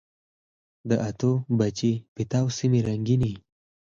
د اتو، بچي، پیتاو سیمي رنګیني